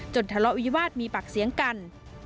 ทะเลาะวิวาสมีปากเสียงกัน